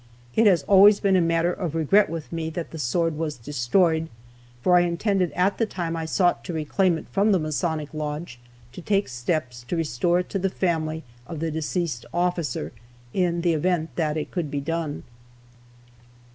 It has always been a matter of regret with me that the sword was destroyed, for I intended, at the time I sought to reclaim it from the Masonic lodge, to take steps to restore it to the family of the deceased officer, in the event that it could be done.